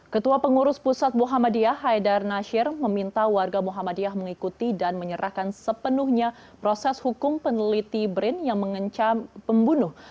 ketua pengurus pusat muhammadiyah haidar nasir meminta warga muhammadiyah mengikuti dan menyerahkan sepenuhnya proses hukum peneliti brin yang mengencam pembunuh